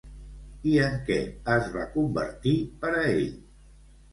I en què es va convertir per a ell?